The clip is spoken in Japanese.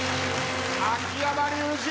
秋山竜次